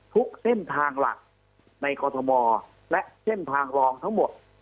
ทุกเส้นทางหลักในกรทมและเส้นทางรองทั้งหมด